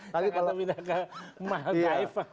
jangan pindah ke maha taifah